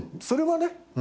それはね。